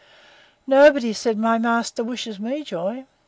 Nobody, said my master, wishes me joy.